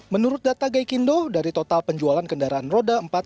menurut data gai kindo dari total penjualan kendaraan roda keempat